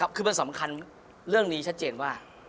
คือมันสำคัญเรื่องนี้ชัดเจนว่า